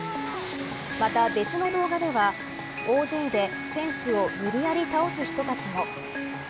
また、別の動画では大勢でフェンスを無理やり倒す人たちも。